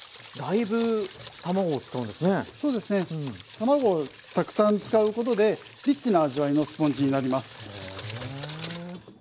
卵をたくさん使うことでリッチな味わいのスポンジになります。